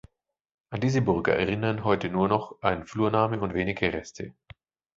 An diese Burg erinnern heute nur noch ein Flurname und wenige Reste.